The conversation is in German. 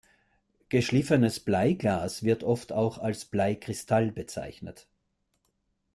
Geschliffenes Bleiglas wird oft auch als Bleikristall bezeichnet.